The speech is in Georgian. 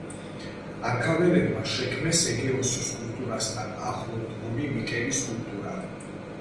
აქაველებმა შექმნეს ეგეოსის კულტურასთან ახლო მდგომი მიკენის კულტურა.